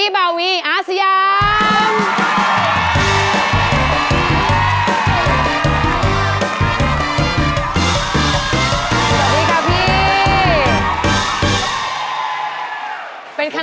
ด้วยค่ะ